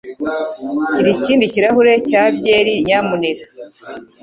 Gira ikindi kirahure cya byeri, nyamuneka.